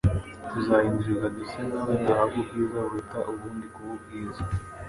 tuzahindurirwa duse na We duhabwe ubwiza buruta ubundi kuba bwiza.